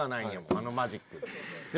あのマジックで。